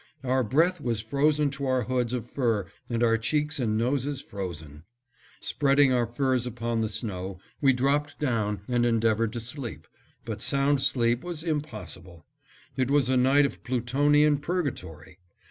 Our breath was frozen to our hoods of fur and our cheeks and noses frozen. Spreading our furs upon the snow, we dropped down and endeavored to sleep, but sound sleep was impossible. It was a night of Plutonian Purgatory.